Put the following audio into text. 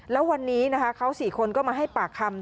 แล้ววันนี้นะคะเขา๔คนก็มาให้ปากคำ